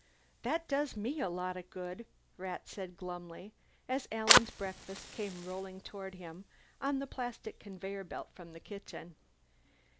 "That does me a lot of good," Rat said glumly as Alan's breakfast came rolling toward him on the plastic conveyor belt from the kitchen.